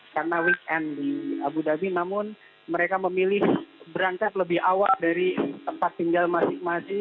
karena weekend di abu dhabi namun mereka memilih berangkat lebih awal dari tempat tinggal masing masing